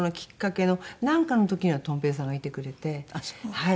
はい。